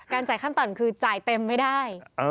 จ่ายขั้นต่ำคือจ่ายเต็มไม่ได้